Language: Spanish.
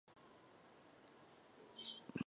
Ой, пливе кача по Тисині.